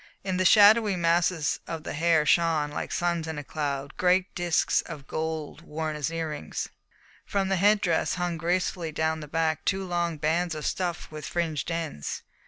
In the shadowy masses of the hair shone, like suns in a cloud, great discs of gold worn as earrings. From the head dress hung gracefully down the back two long bands of stuff with fringed ends.